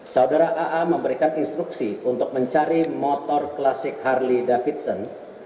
saudara aa memberikan instruksi untuk mencari motor klasik harley davidson